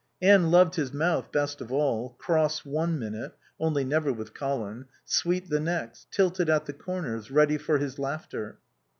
Anne loved his mouth best of all, cross one minute (only never with Colin), sweet the next, tilted at the corners, ready for his laughter.